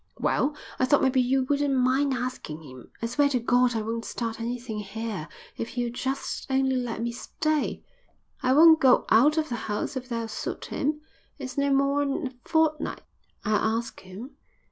"Well, I thought maybe you wouldn't mind asking him. I swear to God I won't start anything here if he'll just only let me stay. I won't go out of the house if that'll suit him. It's no more'n a fortnight." "I'll ask him."